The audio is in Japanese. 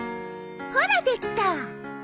ほらできた！